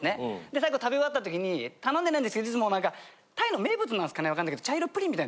最後食べ終わった時に頼んでないんですけどいつも何かタイの名物なんですかねわかんないけど。